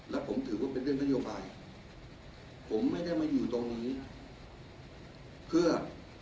และผมถือว่าเป็นเรื่องนโยบายผมไม่ได้มาอยู่ตรงนี้เพื่อ